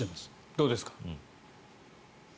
どうですか？